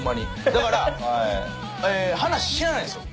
だから話知らないんですよ。